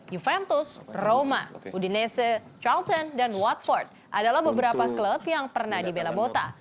juventus roma udinese charleton dan watford adalah beberapa klub yang pernah dibela mota